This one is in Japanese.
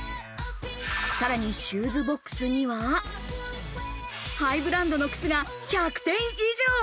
さらにシューズボックスには、ハイブランドの靴が１００点以上。